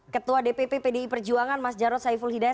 ketua dpp pdi perjuangan mas jarod saiful hidayat